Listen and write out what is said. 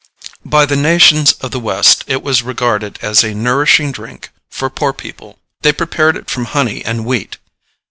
By the nations of the West it was regarded as a nourishing drink for poor people. They prepared it from honey and wheat.